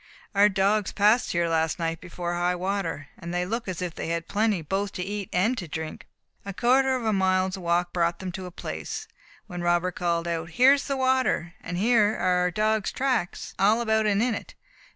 "Our dogs passed here last night before high water, and they look as if they had had plenty both to eat and to drink." A quarter of a mile's walk brought them to a place, when Robert called out, "Here is the water! and here are our dogs' tracks, all about and in it.